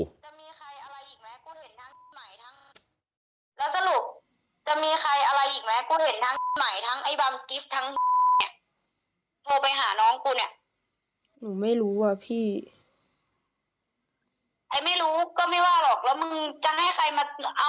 นี่มึงคุยกับกูกูเนี่ยพี่มิ้นเนี่ยแหละพี่มึงเนี่ยแหละ